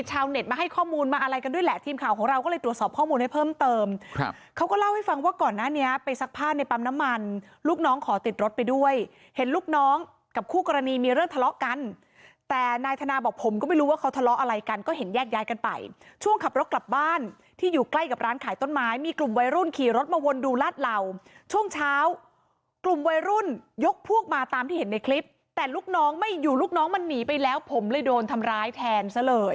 เห็นลูกน้องกับคู่กรณีมีเรื่องทะเลาะกันแต่นายทนาบอกผมก็ไม่รู้ว่าเขาทะเลาะอะไรกันก็เห็นแยกย้ายกันไปช่วงขับรถกลับบ้านที่อยู่ใกล้กับร้านขายต้นไม้มีกลุ่มวัยรุ่นขี่รถมาวนดูลาดเหล่าช่วงเช้ากลุ่มวัยรุ่นยกพวกมาตามที่เห็นในคลิปแต่ลูกน้องไม่อยู่ลูกน้องมันหนีไปแล้วผมเลยโดนทำร้ายแทน